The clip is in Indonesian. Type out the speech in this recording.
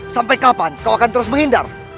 sampai kapan kau akan terus menghindar